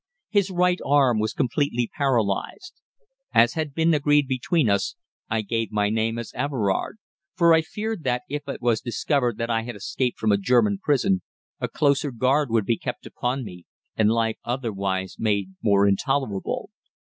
His right arm was completely paralyzed. As had been agreed between us, I gave my name as Everard, for I feared that, if it was discovered that I had escaped from a German prison, a closer guard would be kept upon me, and life otherwise made more intolerable.